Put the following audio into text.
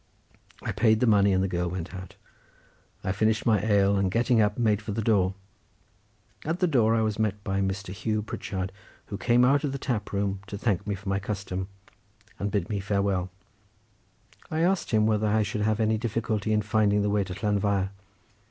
I paid the money, and the girl went out. I finished my ale, and getting up made for the door; at the door I was met by Mr. Hugh Pritchard, who came out of the tap room to thank me for my custom, and to bid me farewell. I asked him whether I should have any difficulty in finding the way to Llanfair.